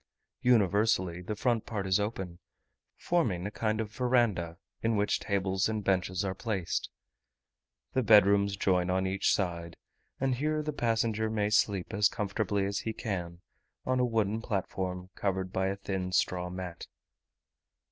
Universally the front part is open, forming a kind of verandah, in which tables and benches are placed. The bed rooms join on each side, and here the passenger may sleep as comfortably as he can, on a wooden platform, covered by a thin straw mat.